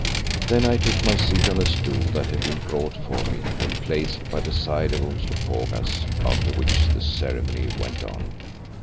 Then I took my seat on a stool that had been brought for me and placed by the side of Umslopogaas, after which the ceremony went on.